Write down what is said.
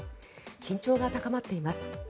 緊張が高まっています。